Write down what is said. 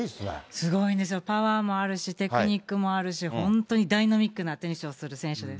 すごいんですよ、パワーもあるし、テクニックもあるし、本当にダイナミックなテニスをする選手です。